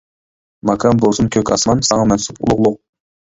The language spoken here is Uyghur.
ماكان بولسۇن كۆك ئاسمان، ساڭا مەنسۇپ ئۇلۇغلۇق.